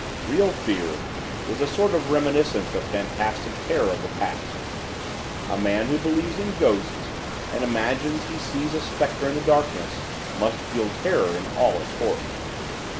Real fear is a sort of reminiscence of fantastic terror of the past. A man who believes in ghosts and imagines he sees a specter in the darkness must feel fear in all its horror.